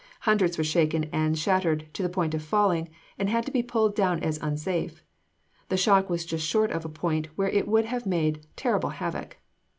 Hundreds were shaken and shattered to the point of falling, and had to be pulled down as unsafe. The shock was just short of a point where it would have made terrible havoc.